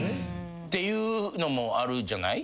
ていうのもあるじゃない？